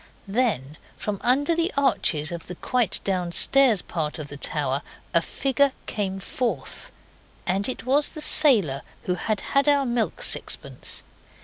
Then from under the arches of the quite downstairs part of the tower a figure came forth and it was the sailor who had had our milk sixpence.